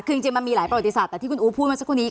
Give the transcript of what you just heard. คือจริงมันมีหลายประวัติศาสตร์แต่ที่คุณอู๋พูดมาสักครู่นี้